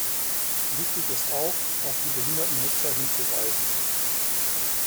Wichtig ist auch, auf die behinderten Nutzer hinzuweisen.